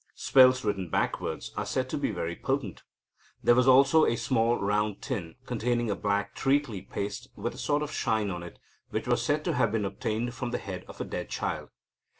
Spells written backwards are said to be very potent. There was also a small round tin, containing a black treacly paste with a sort of shine on it, which was said to have been obtained from the head of a dead child.